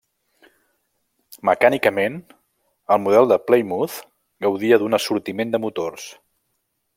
Mecànicament el model de Plymouth gaudia d'un assortiment de motors.